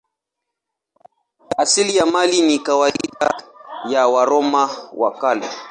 Asili ya maili ni kawaida ya Waroma wa Kale.